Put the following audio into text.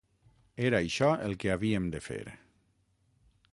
Era això el que havíem de fer.